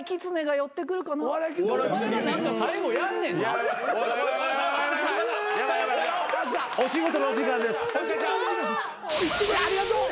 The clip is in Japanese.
ありがとう。